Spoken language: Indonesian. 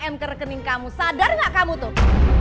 m ke rekening kamu sadar gak kamu tuh